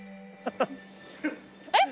えっ？